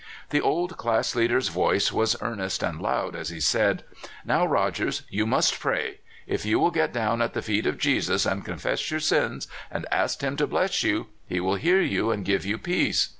The old class leader's voice was earnest and loud, as he said: '* Now, Rogers, you must pray. If you will get down at the feet of Jesus, and confess your sins, and ask him to bless you, he will hear you, and give you peace.